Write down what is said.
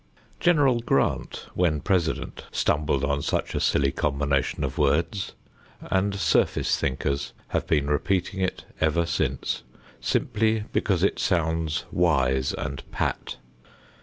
General Grant, when president, stumbled on such a silly combination of words, and surface thinkers have been repeating it ever since, simply because it sounds wise and pat.